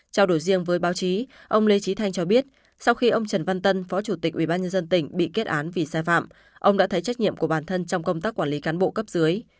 trao đổi riêng với báo chí ông lê trí thanh cho biết sau khi ông trần văn tân phó chủ tịch ubnd tỉnh bị kết án vì sai phạm ông đã thấy trách nhiệm của bản thân trong công tác quản lý cán bộ cấp dưới